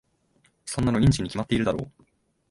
そんなのインチキに決まってるだろ。